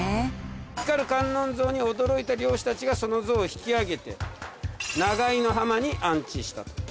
光る観音像に驚いた漁師たちがその像を引き揚げて長井の浜に安置したと。